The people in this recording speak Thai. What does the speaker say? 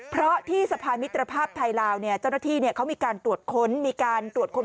เพราะที่สะพานมิตรภาพไทยลาวเจ้าหน้าที่มีการตรวจค้น